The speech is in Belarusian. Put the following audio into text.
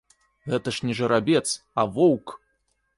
Гэта ж не жарабец, а воўк!